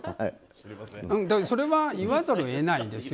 それは言わざるを得ないんですよ。